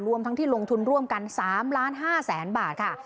รวมทั้งที่ลงทุนร่วมกัน๓๕๐๐๐๐บาทค่ะ